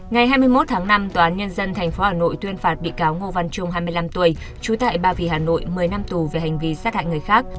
ngày hai mươi một tháng năm tòa án nhân dân tp hà nội tuyên phạt bị cáo ngô văn trung hai mươi năm tuổi trú tại ba vì hà nội một mươi năm tù về hành vi sát hại người khác